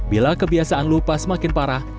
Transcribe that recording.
bila kebiasaan lupa semakin parah